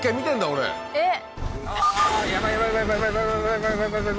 俺えっ？